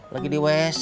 lagi di wc apan